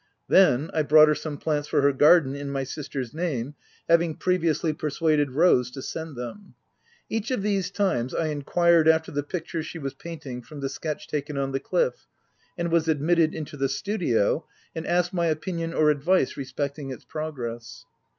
Then, I brought her some plants for her garden, in my sister's name — having previously persuaded Rose to send them. Each of these times I inquired after the picture she was painting from the sketch taken on the cliff, 144 THE TENANT and was admitted into the studio, and asked my opinion or advice respecting its progress.